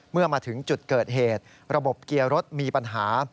เมื่อมาถึงจุดเกิดเหตุระบบเกียร์รถมีปัญหา